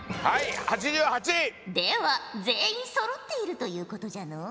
では全員そろっているということじゃのう。